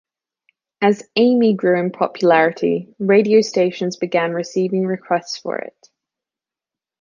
As "Amie" grew in popularity, radio stations began receiving requests for it.